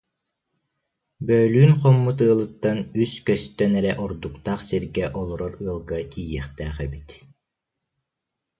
Бөлүүн хоммут ыалыттан үс көстөн эрэ ордуктаах сиргэ олорор ыалга тиийиэхтээх эбит